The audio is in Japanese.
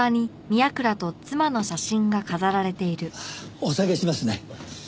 お下げしますね。